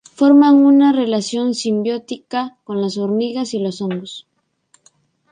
Forman una relación simbiótica con las hormigas y los hongos.